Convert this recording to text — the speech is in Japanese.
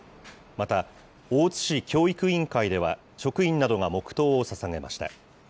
また、大津市教育委員会では、職員などが黙とうをささげました。